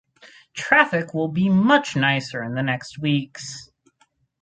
Traffic will be much nicer the next weeks.